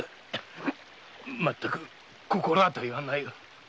まったく心当たりはないが。